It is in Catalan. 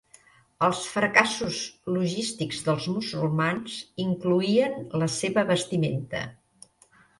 Els fracassos logístics dels musulmans incloïen la seva vestimenta.